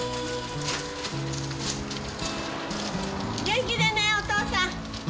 元気でねお父さん。